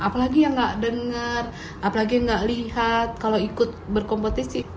apalagi yang nggak dengar apalagi yang nggak lihat kalau ikut berkompetisi